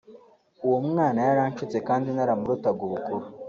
uwo mwana yaranshutse kandi namurutaga ubukuru